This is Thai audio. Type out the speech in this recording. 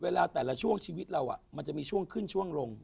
แต่ละช่วงชีวิตเรามันจะมีช่วงขึ้นช่วงลง